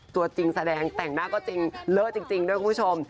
ตัวจริงแสดงแต่งหน้าก็จริงเลอะจริงด้วยคุณผู้ชม